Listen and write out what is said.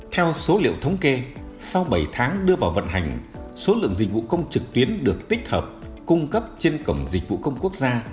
theo số liệu thống kê sau bảy tháng đưa vào vận hành số lượng dịch vụ công trực tuyến được tích hợp cung cấp trên cổng dịch vụ công quốc gia